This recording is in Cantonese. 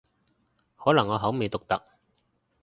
可能我口味獨特